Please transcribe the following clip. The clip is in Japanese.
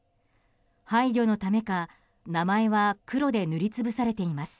配慮のためか名前は黒で塗りつぶされています。